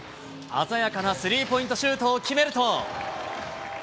鮮やかなスリーポイントシュートを決めると。